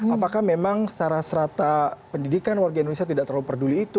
apakah memang secara serata pendidikan warga indonesia tidak terlalu peduli itu